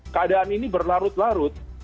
keadaan ini berlarut larut